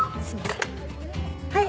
はい。